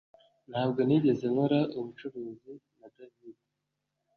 Ntabwo nigeze nkora ubucuruzi na David